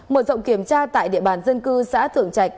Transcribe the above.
mở rộng kiểm tra tại địa bàn dân cư xã thượng trạch